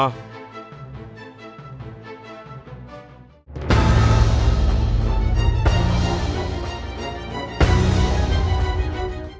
โปรดติดตามตอนต่อไป